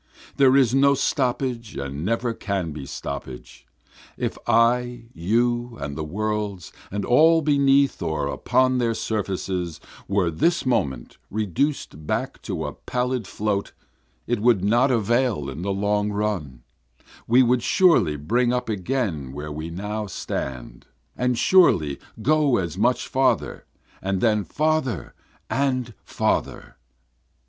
There is no stoppage and never can be stoppage, If I, you, and the worlds, and all beneath or upon their surfaces, were this moment reduced back to a pallid float, it would not avail the long run, We should surely bring up again where we now stand, And surely go as much farther, and then farther and farther.